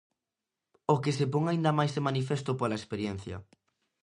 O que se pon aínda máis de manifesto pola experiencia.